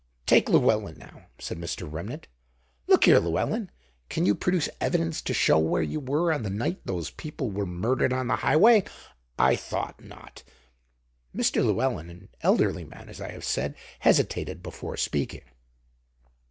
"Take Llewelyn now," said Mr. Remnant. "Look here, Llewelyn, can you produce evidence to show where you were on the night those people were murdered on the Highway? I thought not." Mr. Llewelyn, an elderly man, as I have said, hesitated before speaking.